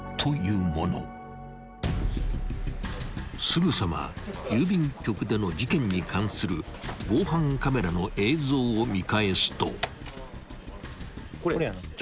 ［すぐさま郵便局での事件に関する防犯カメラの映像を見返すと］